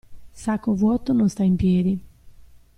Sacco vuoto non sta in piedi.